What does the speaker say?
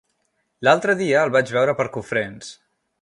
L'altre dia el vaig veure per Cofrents.